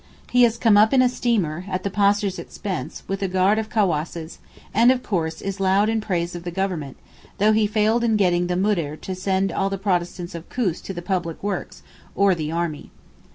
He has come up in a steamer, at the Pasha's expense, with a guard of cawasses, and, of course, is loud in praise of the Government, though he failed in getting the Moudir to send all the Protestants of Koos to the public works, or the army.